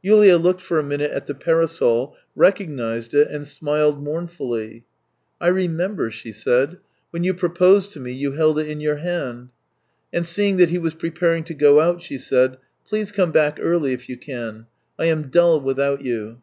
Yulia looked for a minute at the parasol, recognized it, and smiled mournfully. " I remember," she said. " When you pro posed to me you held it in your hand." And seeing that he was preparing to go out, she said: " Please come back early if you can. I am dull without you."